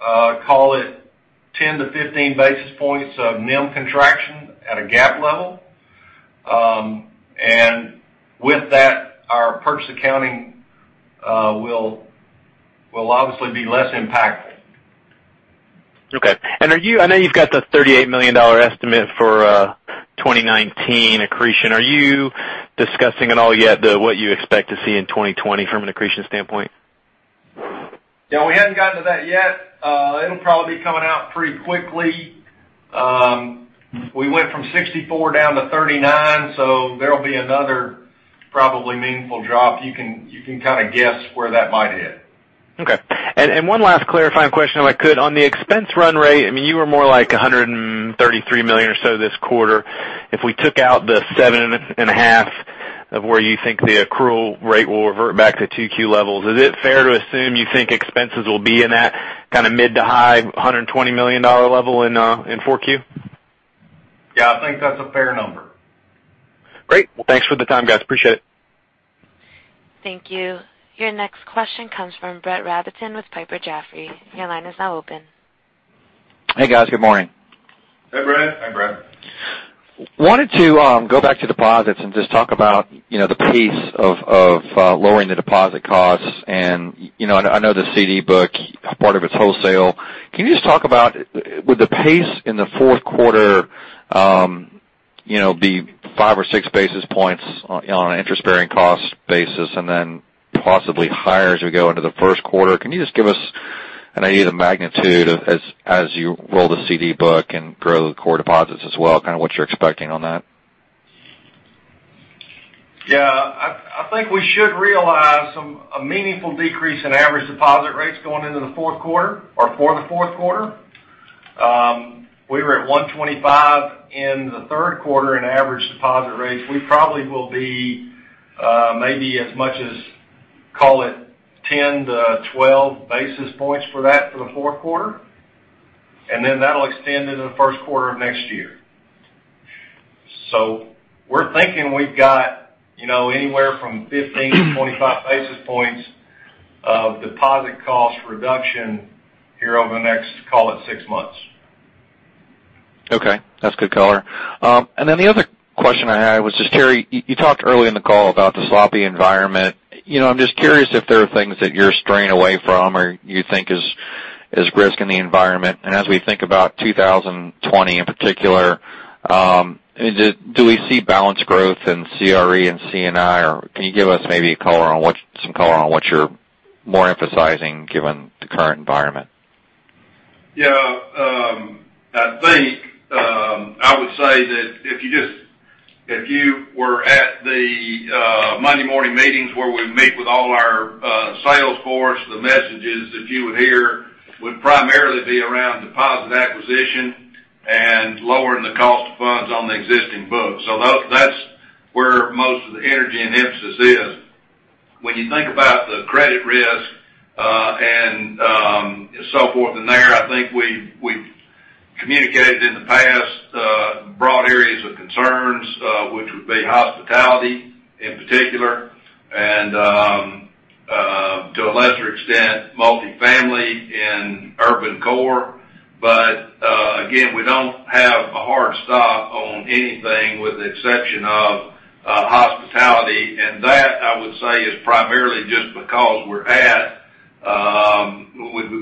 call it 10-15 basis points of NIM contraction at a GAAP level. With that, our purchase accounting will obviously be less impactful. Okay. I know you've got the $38 million estimate for 2019 accretion. Are you discussing at all yet what you expect to see in 2020 from an accretion standpoint? Yeah, we haven't gotten to that yet. It'll probably be coming out pretty quickly. We went from 64 down to 39, there'll be another probably meaningful drop. You can kind of guess where that might hit. Okay. One last clarifying question, if I could. On the expense run rate, you were more like $133 million or so this quarter. If we took out the $ seven and a half of where you think the accrual rate will revert back to 2Q levels, is it fair to assume you think expenses will be in that mid to high $120 million level in 4Q? Yeah, I think that's a fair number. Great. Thanks for the time, guys. Appreciate it. Thank you. Your next question comes from Brett Rabatin with Piper Jaffray. Your line is now open. Hey, guys. Good morning. Hey, Brett. Hi, Brett. Wanted to go back to deposits and just talk about the pace of lowering the deposit costs, and I know the CD book, part of it's wholesale. Can you just talk about, would the pace in the fourth quarter be five or six basis points on an interest-bearing cost basis, and then possibly higher as we go into the first quarter? Can you just give us an idea of the magnitude as you roll the CD book and grow the core deposits as well, kind of what you're expecting on that? I think we should realize a meaningful decrease in average deposit rates going into the fourth quarter, or for the fourth quarter. We were at 1.25 in the third quarter in average deposit rates. We probably will be maybe as much as, call it, 10 to 12 basis points for that for the fourth quarter. That'll extend into the first quarter of next year. We're thinking we've got anywhere from 15 to 25 basis points of deposit cost reduction here over the next, call it, six months. Okay. That's good color. The other question I had was just, Terry, you talked early in the call about the sloppy environment. I'm just curious if there are things that you're straying away from or you think is risk in the environment. As we think about 2020 in particular, do we see balance growth in CRE and C&I, or can you give us maybe some color on what you're more emphasizing given the current environment? Yeah. I think, I would say that if you were at the Monday morning meetings where we meet with all our sales force, the messages that you would hear would primarily be around deposit acquisition and lowering the cost of funds on the existing books. That's where most of the energy and emphasis is. When you think about the credit risk, and so forth in there, I think we've communicated in the past broad areas of concerns, which would be hospitality in particular, and to a lesser extent, multi-family and urban core. Again, we don't have a hard stop on anything with the exception of hospitality. That, I would say, is primarily just because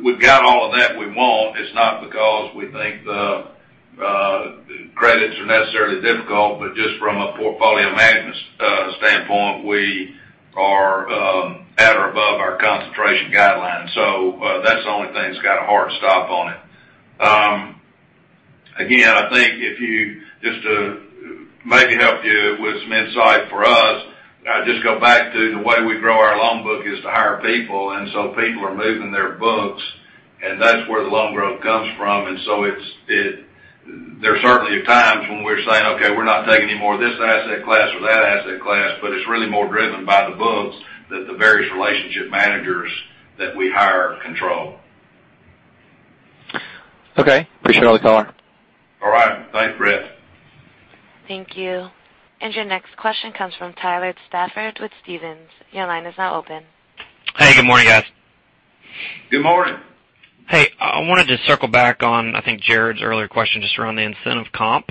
we've got all of that we want. It's not because we think the credits are necessarily difficult, but just from a portfolio management standpoint, we are at or above our concentration guidelines. That's the only thing that's got a hard stop on it. Again, I think just to maybe help you with some insight for us, I'd just go back to the way we grow our loan book is to hire people, and so people are moving their books, and that's where the loan growth comes from. There certainly are times when we're saying, "Okay, we're not taking any more of this asset class or that asset class," but it's really more driven by the books that the various relationship managers that we hire control. Okay. Appreciate all the color. All right. Thanks, Brett. Thank you. Your next question comes from Tyler Stafford with Stephens. Your line is now open. Hey, good morning, guys. Good morning. Hey, I wanted to circle back on, I think, Jared's earlier question, just around the incentive comp.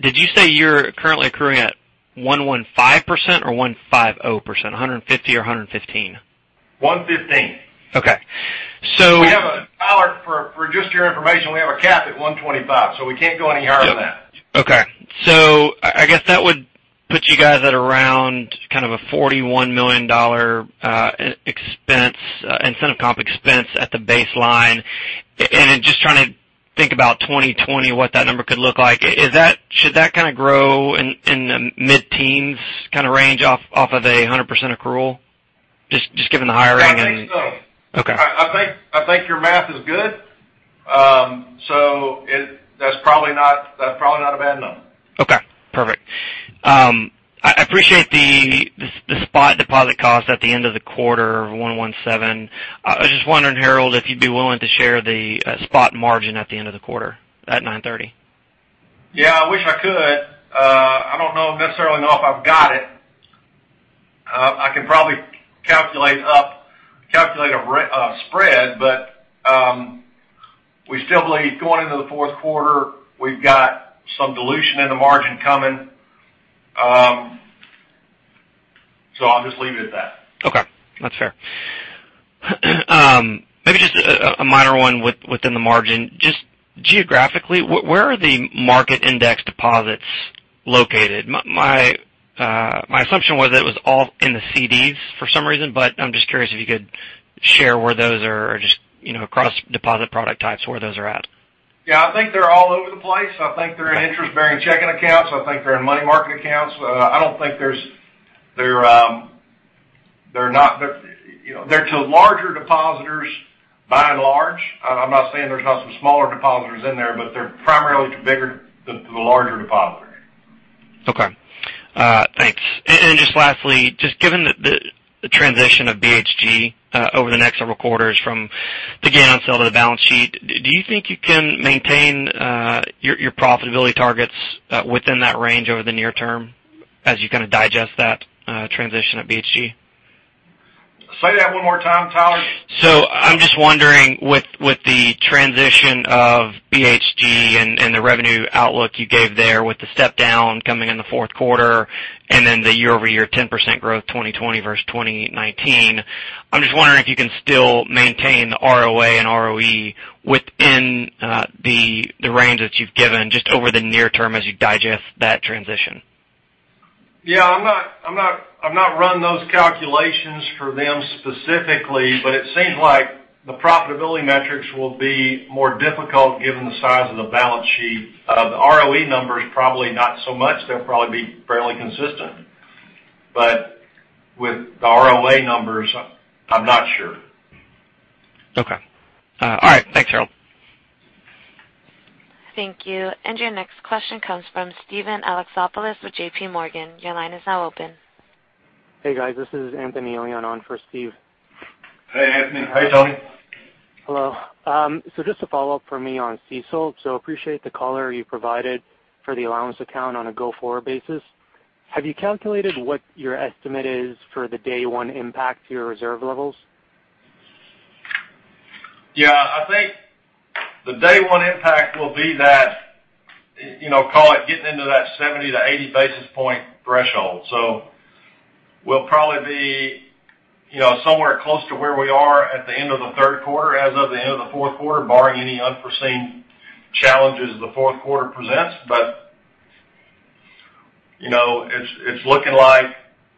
Did you say you're currently accruing at 115% or 150%? 1:15. Okay. For just your information, we have a cap at $125, so we can't go any higher than that. Okay. I guess that would put you guys at around kind of a $41 million incentive comp expense at the baseline. Then just trying to think about 2020, what that number could look like. Should that kind of grow in the mid-teens kind of range off of a 100% accrual, just given the hiring and? I think so. Okay. I think your math is good. That's probably not a bad number. Okay, perfect. I appreciate the spot deposit cost at the end of the quarter of 1.07%. I was just wondering, Harold, if you'd be willing to share the spot margin at the end of the quarter at 9.30%? Yeah, I wish I could. I don't necessarily know if I've got it. I can probably calculate a spread, but we still believe going into the fourth quarter, we've got some dilution in the margin coming. I'll just leave it at that. Okay. That's fair. Maybe just a minor one within the margin. Just geographically, where are the market index deposits located? My assumption was that it was all in the CDs for some reason, but I'm just curious if you could share where those are, just across deposit product types, where those are at. I think they're all over the place. I think they're in interest-bearing checking accounts. I think they're in money market accounts. They're to larger depositors, by and large. I'm not saying there's not some smaller depositors in there, but they're primarily to the larger depositors. Okay. Thanks. Just lastly, just given the transition of BHG over the next several quarters from the gain on sale to the balance sheet, do you think you can maintain your profitability targets within that range over the near term as you kind of digest that transition at BHG? Say that one more time, Tyler. I'm just wondering, with the transition of BHG and the revenue outlook you gave there with the step down coming in the fourth quarter and then the year-over-year 10% growth, 2020 versus 2019, I'm just wondering if you can still maintain the ROA and ROE within the range that you've given just over the near term as you digest that transition. Yeah, I've not run those calculations for them specifically, but it seems like the profitability metrics will be more difficult given the size of the balance sheet. The ROE numbers, probably not so much. They'll probably be fairly consistent. With the ROA numbers, I'm not sure. Okay. All right. Thanks, Harold. Thank you. Your next question comes from Steven Alexopoulos with J.P. Morgan. Your line is now open. Hey, guys. This is Anthony Elian on for Steve. Hey, Anthony. Hey, Tony. Hello. Just a follow-up from me on CECL. Appreciate the color you provided for the allowance account on a go-forward basis. Have you calculated what your estimate is for the day one impact to your reserve levels? I think the day one impact will be that, call it getting into that 70 to 80 basis point threshold. We'll probably be somewhere close to where we are at the end of the third quarter as of the end of the fourth quarter, barring any unforeseen challenges the fourth quarter presents. It's looking like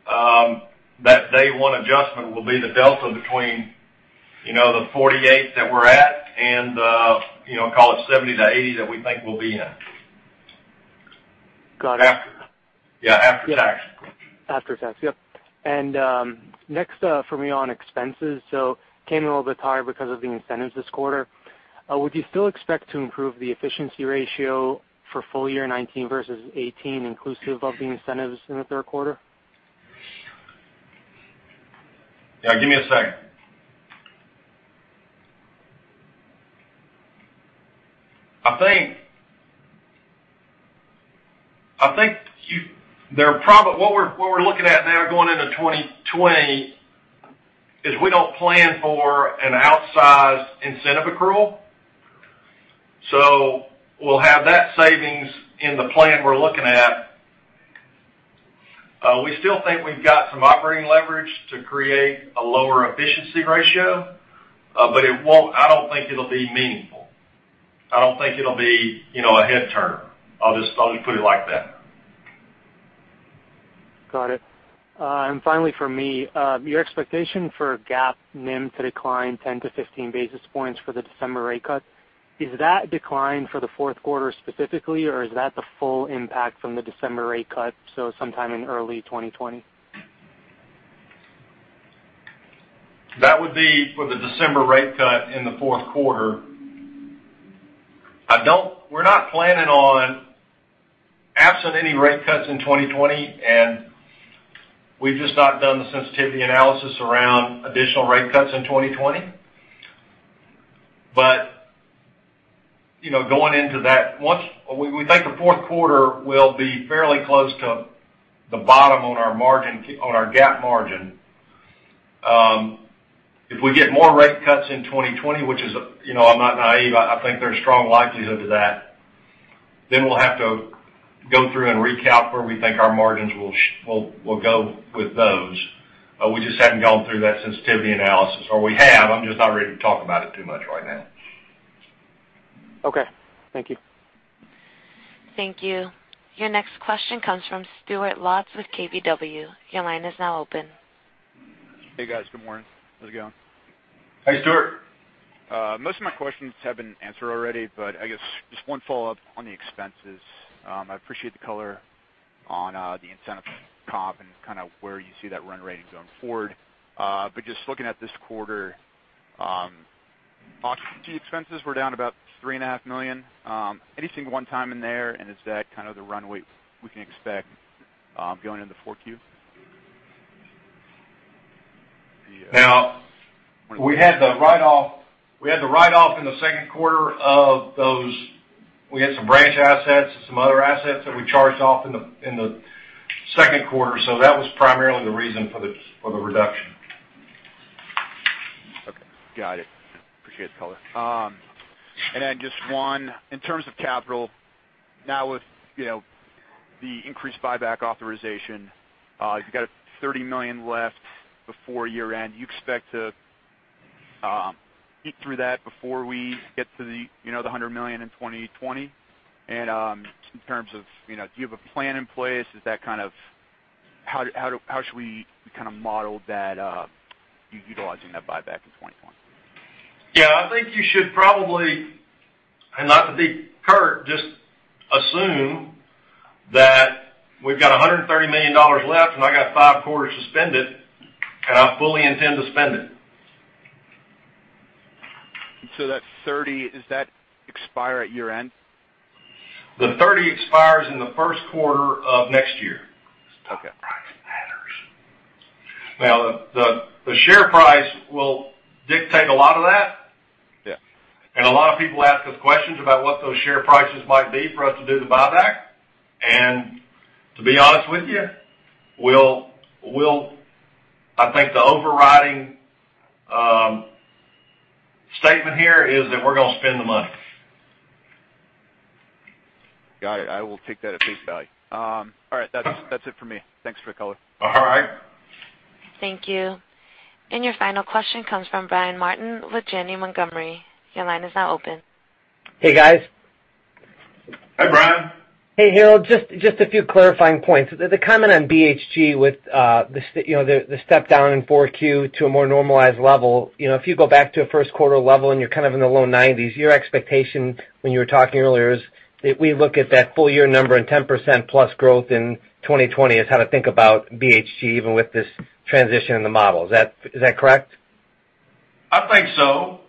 that day one adjustment will be the delta between the 48 that we're at and, call it 70 to 80 that we think we'll be in. Got it. Yeah, after tax. After tax. Yep. Next for me on expenses, came in a little bit higher because of the incentives this quarter. Would you still expect to improve the efficiency ratio for full year 2019 versus 2018 inclusive of the incentives in the third quarter? Yeah, give me a second. I think what we're looking at now going into 2020 is we don't plan for an outsized incentive accrual. We'll have that savings in the plan we're looking at. We still think we've got some operating leverage to create a lower efficiency ratio, I don't think it'll be meaningful. I don't think it'll be a head turner. I'll just put it like that. Got it. Finally, from me, your expectation for GAAP NIM to decline 10 to 15 basis points for the December rate cut, is that decline for the fourth quarter specifically, or is that the full impact from the December rate cut, so sometime in early 2020? That would be for the December rate cut in the fourth quarter. We're not planning on absent any rate cuts in 2020, and we've just not done the sensitivity analysis around additional rate cuts in 2020. Going into that, we think the fourth quarter will be fairly close to the bottom on our GAAP margin. If we get more rate cuts in 2020, which I'm not naive, I think there's strong likelihood of that, then we'll have to go through and recount where we think our margins will go with those. We just haven't gone through that sensitivity analysis. We have, I'm just not ready to talk about it too much right now. Okay. Thank you. Thank you. Your next question comes from Stuart Lotz with KBW. Your line is now open. Hey, guys. Good morning. How's it going? Hey, Stuart. Most of my questions have been answered already, I guess just one follow-up on the expenses. I appreciate the color on the incentive comp and kind of where you see that run rating going forward. Just looking at this quarter, operating expenses were down about $3.5 million. Anything one-time in there, and is that kind of the runway we can expect going into 4Q? We had the write-off in the second quarter. We had some branch assets and some other assets that we charged off in the second quarter. That was primarily the reason for the reduction. Okay. Got it. Appreciate the color. Just one, in terms of capital, now with the increased buyback authorization, you got $30 million left before year end. Do you expect to peek through that before we get to the $100 million in 2020? In terms of, do you have a plan in place? How should we model that, you utilizing that buyback in 2021? Yeah, I think you should probably, and not to be curt, just assume that we've got $130 million left, and I got five quarters to spend it, and I fully intend to spend it. That 30, does that expire at year end? The 30 expires in the first quarter of next year. Okay. The share price will dictate a lot of that. Yeah. A lot of people ask us questions about what those share prices might be for us to do the buyback. To be honest with you, I think the overriding statement here is that we're going to spend the money. Got it. I will take that at face value. All right. That's it for me. Thanks for the color. All right. Thank you. Your final question comes from Brian Martin with Janney Montgomery Scott. Your line is now open. Hey, guys. Hi, Brian. Hey, Harold. Just a few clarifying points. The comment on BHG with the step down in 4Q to a more normalized level. If you go back to a first quarter level and you're kind of in the low 90s, your expectation when you were talking earlier is, if we look at that full year number and 10% plus growth in 2020 is how to think about BHG, even with this transition in the model. Is that correct? I think so.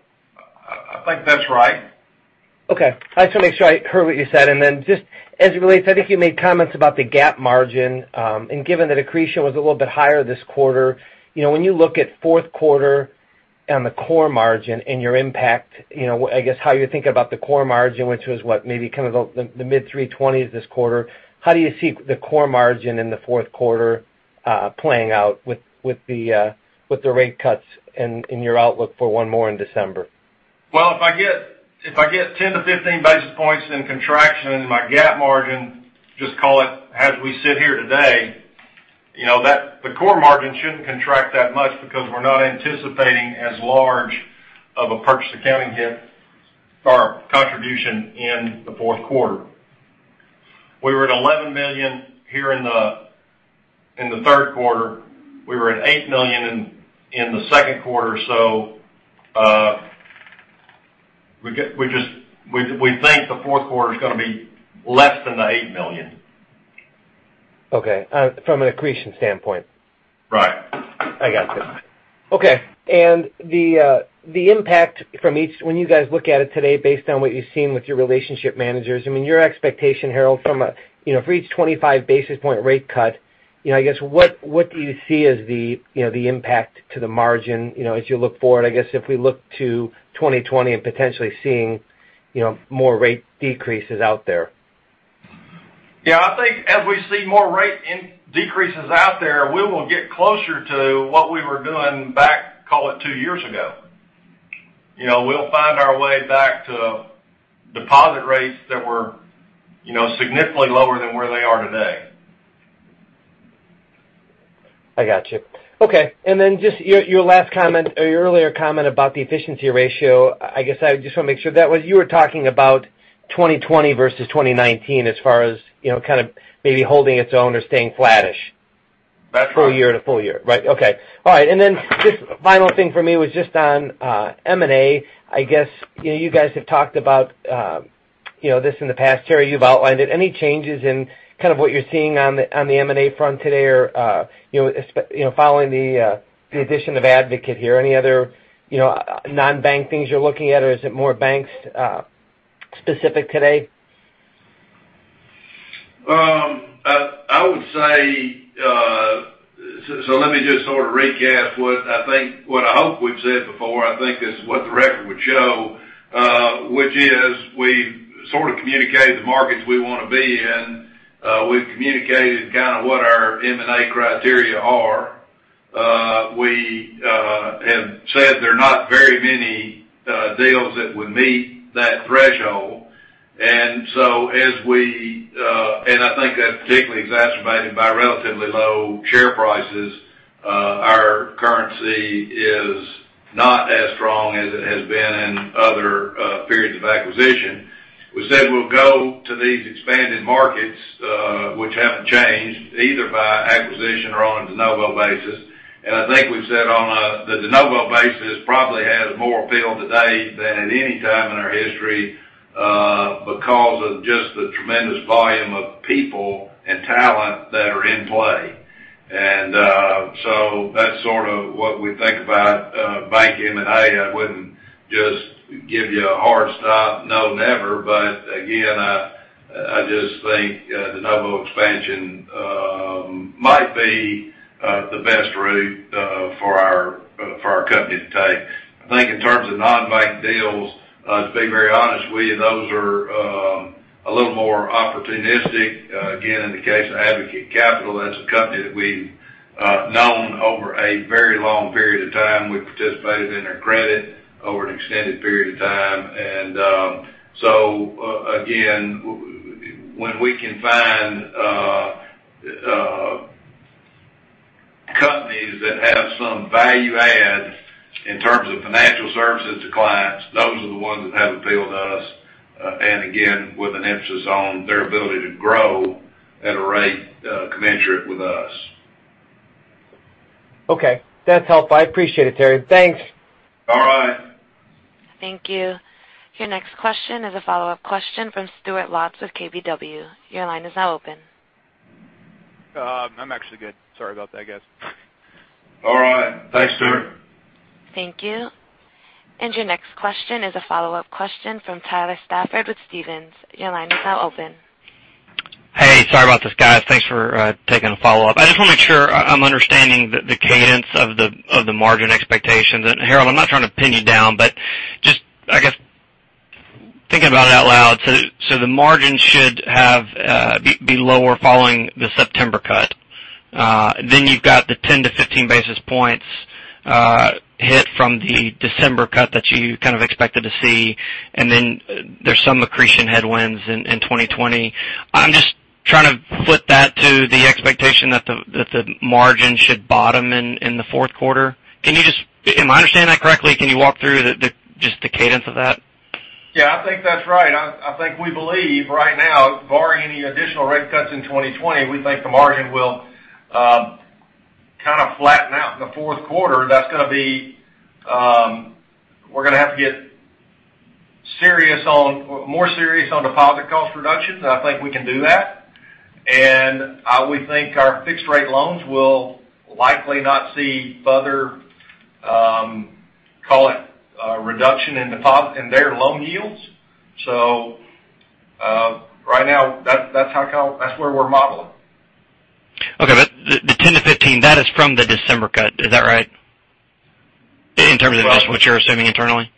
I think that's right. Okay. I just want to make sure I heard what you said, and then just as it relates, I think you made comments about the GAAP margin, and given the accretion was a little bit higher this quarter. When you look at fourth quarter and the core margin and your impact, I guess how you think about the core margin, which was what, maybe kind of the mid 320s this quarter, how do you see the core margin in the fourth quarter playing out with the rate cuts and in your outlook for one more in December? Well, if I get 10-15 basis points in contraction in my GAAP margin, just call it as we sit here today, the core margin shouldn't contract that much because we're not anticipating as large of a purchase accounting hit or contribution in the fourth quarter. We were at $11 million here in the third quarter. We were at $8 million in the second quarter. We think the fourth quarter is going to be less than the $8 million. Okay. From an accretion standpoint? Right. I got you. Okay. The impact from each, when you guys look at it today based on what you've seen with your relationship managers, I mean, your expectation, Harold, for each 25 basis point rate cut, I guess, what do you see as the impact to the margin as you look forward, I guess, if we look to 2020 and potentially seeing more rate decreases out there? Yeah, I think as we see more rate decreases out there, we will get closer to what we were doing back, call it two years ago. We'll find our way back to deposit rates that were significantly lower than where they are today. I got you. Okay. Just your earlier comment about the efficiency ratio. I guess I just want to make sure that was you were talking about 2020 versus 2019 as far as kind of maybe holding its own or staying flattish. That's right. Full year to full year. Right. Okay. All right. Then just final thing for me was just on M&A. I guess you guys have talked about this in the past. Terry, you've outlined it. Any changes in kind of what you're seeing on the M&A front today, following the addition of Advocate here? Any other non-bank things you're looking at, or is it more bank specific today? I would say, so let me just sort of recast what I hope we've said before. I think this is what the record would show, which is we've sort of communicated the markets we want to be in. We've communicated kind of what our M&A criteria are. We have said there are not very many deals that would meet that threshold. I think that's particularly exacerbated by relatively low share prices. Our currency is not as strong as it has been in other periods of acquisition. We said we'll go to these expanded markets, which haven't changed, either by acquisition or on a de novo basis. I think we've said on the de novo basis probably has more appeal today than at any time in our history, because of just the tremendous volume of people and talent that are in play. That's sort of what we think about bank M&A. I wouldn't just give you a hard stop, no never, but again, I just think de novo expansion might be the best route for our company to take. I think in terms of non-bank deals, to be very honest with you, those are a little more opportunistic. Again, in the case of Advocate Capital, that's a company that we've known over a very long period of time. We participated in their credit over an extended period of time. Again, when we can find companies that have some value add in terms of financial services to clients, those are the ones that have appeal to us, and again, with an emphasis on their ability to grow at a rate commensurate with us. Okay. That's helpful. I appreciate it, Terry. Thanks. All right. Thank you. Your next question is a follow-up question from Stuart Lotz with KBW. Your line is now open. I'm actually good. Sorry about that, guys. All right. Thanks, Stuart. Thank you. Your next question is a follow-up question from Tyler Stafford with Stephens. Your line is now open. Hey, sorry about this, guys. Thanks for taking a follow-up. I just want to make sure I'm understanding the cadence of the margin expectations. Harold, I'm not trying to pin you down, but just, I guess, thinking about it out loud, so the margin should be lower following the September cut. You've got the 10-15 basis points hit from the December cut that you kind of expected to see, and then there's some accretion headwinds in 2020. I'm just trying to flip that to the expectation that the margin should bottom in the fourth quarter. Am I understanding that correctly? Can you walk through just the cadence of that? Yeah, I think that's right. I think we believe right now, barring any additional rate cuts in 2020, we think the margin will kind of flatten out in the fourth quarter. We're going to have to get more serious on deposit cost reductions, and I think we can do that. We think our fixed rate loans will likely not see further, call it, reduction in their loan yields. Right now, that's where we're modeling. The 10 to 15, that is from the December cut. Is that right? In terms of just what you're assuming internally?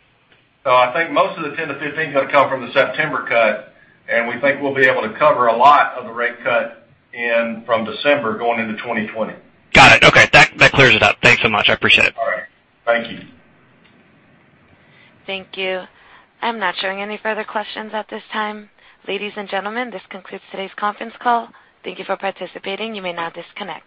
No, I think most of the 10-15 is going to come from the September cut, and we think we'll be able to cover a lot of the rate cut from December going into 2020. Got it. Okay. That clears it up. Thanks so much. I appreciate it. All right. Thank you. Thank you. I'm not showing any further questions at this time. Ladies and gentlemen, this concludes today's conference call. Thank you for participating. You may now disconnect.